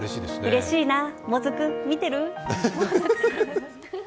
うれしいな、もずく見てる？